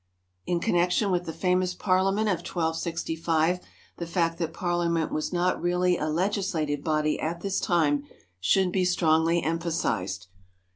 In connection with the famous parliament of 1265 the fact that parliament was not really a legislative body at this time should be strongly emphasized.